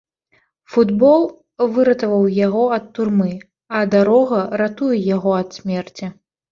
Футбол выратаваў яго ад турмы, а дарога ратуе яго ад смерці.